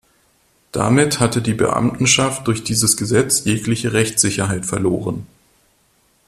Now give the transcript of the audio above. Damit hatte die Beamtenschaft durch dieses Gesetz jegliche Rechtssicherheit verloren.